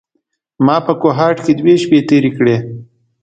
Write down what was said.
ما په کوهاټ کې دوې شپې تېرې کړې.